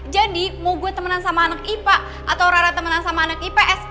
jadi mau gue temenan sama anak ipa atau rara temenan sama anak ipa s